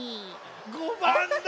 ５ばんだ！